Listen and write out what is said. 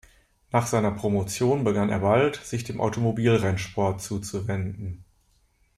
Nach seiner Promotion begann er bald, sich dem Automobilrennsport zuzuwenden.